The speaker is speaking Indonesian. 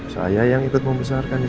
saya yang ikut membesarkan